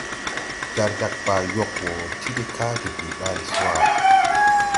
Jar jag Baa yog wo ti de kage bii ɓaale swaʼa.